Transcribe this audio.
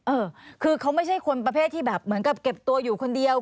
เออคือเขาไม่ใช่คนประเภทที่แบบเหมือนกับเก็บตัวอยู่คนเดียว